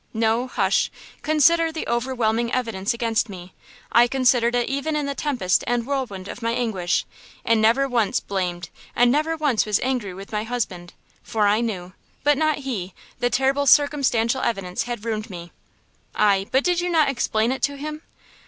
"No; hush! consider the overwhelming evidence against me; I considered it even in the tempest and whirlwind of my anguish, and never once blamed and never once was angry with my husband; for I knew–not he, but the terrible circumstantial evidence had ruined me!" "Ay, but did you not explain it to him?"